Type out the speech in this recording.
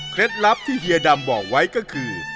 ลับที่เฮียดำบอกไว้ก็คือ